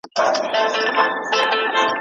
نیکه د ژمي په اوږدو شپو کي کیسې کولې